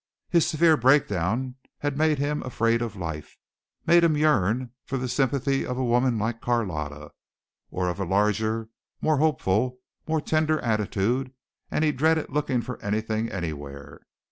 His severe breakdown had made him afraid of life made him yearn for the sympathy of a woman like Carlotta, or of a larger more hopeful, more tender attitude, and he dreaded looking for anything anywhere.